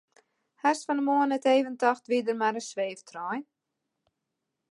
Hast fan 'e moarn net even tocht wie der mar in sweeftrein?